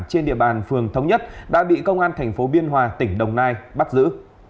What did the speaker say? trên địa bàn phường thống nhất đã bị công an tp biên hòa tỉnh đồng nai bắt giữ